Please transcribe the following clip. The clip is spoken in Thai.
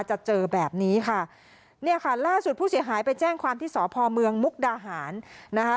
เจอแบบนี้ค่ะเนี่ยค่ะล่าสุดผู้เสียหายไปแจ้งความที่สพเมืองมุกดาหารนะคะ